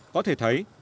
có thể thấy